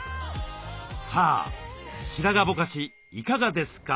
さあ白髪ぼかしいかがですか？